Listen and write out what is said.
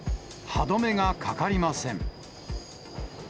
歯止めがかかりません。